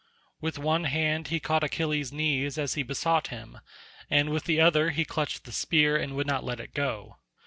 With one hand he caught Achilles' knees as he besought him, and with the other he clutched the spear and would not let it go.